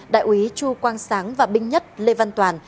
đại úy chu quang sáng và binh nhất lê văn toàn